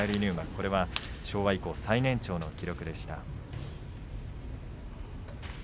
これは昭和以降最年長の記録でした。